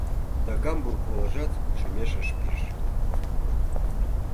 Да Гамбург олажат шӱмеш ыш пиж!